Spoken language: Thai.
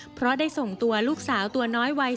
เพราะได้ส่งตัวลูกสาวตัวน้อยวัย